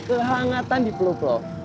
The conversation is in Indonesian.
kehangatan di peluk lu